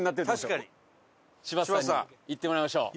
柴田さんにいってもらいましょう。